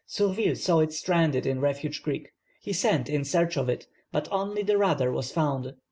Surville saw it stranded in Refuge Creek. He sent in search of it, but only the rudder was found.